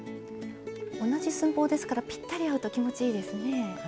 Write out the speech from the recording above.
同じ寸法ですからぴったり合うと気持ちいいですね。